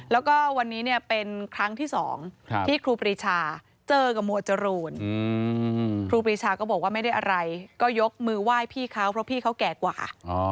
แล้วก็วันนี้เนี่ยเป็นครั้งที่๒ที่ครูปรีชาเจอกับหมวดจรูนครูปรีชาก็บอกว่าไม่ได้อะไรก็ยกมือไหว้พี่เขาเพราะพี่เขาแก่กว่า